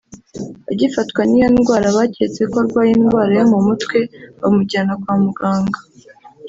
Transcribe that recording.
Agifatwa n’iyo ndwara baketse ko arwaye indwara yo mu mutwe bamujyana kwa muganga